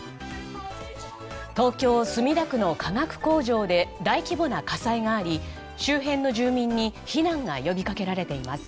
東京・墨田区の化学工場で大規模な火災があり周辺の住民に避難が呼びかけられています。